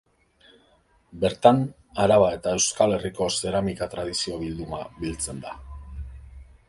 Bertan Araba eta Euskal Herriko zeramika tradizio bilduma biltzen da.